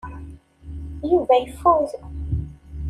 Yuba ifud.